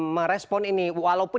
merespon ini walaupun